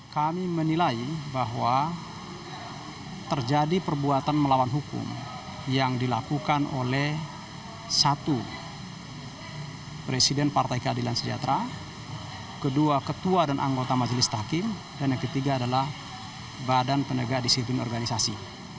kami menilai bahwa terjadi perbuatan melawan hukum yang dilakukan oleh satu presiden partai keadilan sejahtera kedua ketua dan anggota majelis taklim dan yang ketiga adalah badan penegak disiplin organisasi